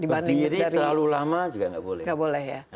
berdiri terlalu lama juga gak boleh